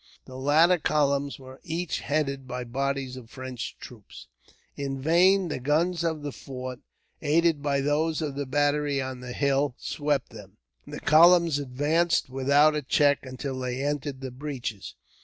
The latter columns were each headed by bodies of French troops. In vain the guns of the fort, aided by those of the battery on the hill, swept them. The columns advanced without a check until they entered the breaches.